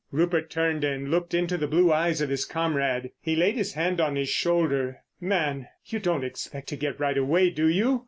Rupert turned and looked into the blue eyes of his comrade. He laid his hand on his shoulder. "Man, you don't expect to get right away, do you?